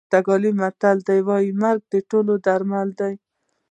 پرتګالي متل وایي مرګ د ټولو درملنه ده.